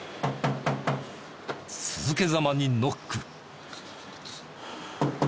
続けざまにノック。